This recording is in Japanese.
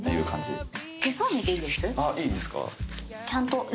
ちゃんと。